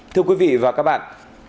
thưa quý vị và các bạn